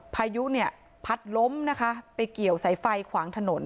พายุเนี่ยพัดล้มนะคะไปเกี่ยวสายไฟขวางถนน